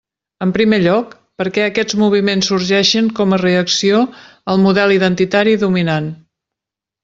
En primer lloc, perquè aquests moviments sorgeixen com a reacció al model identitari dominant.